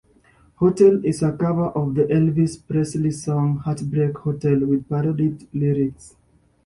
Hotel" is a cover of the Elvis Presley song "Heartbreak Hotel" with parodied lyrics.